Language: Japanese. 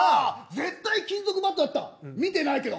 絶対金属バットだった見てないけど。